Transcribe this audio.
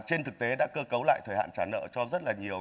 trên thực tế đã cơ cấu lại thời hạn trả nợ cho rất là nhiều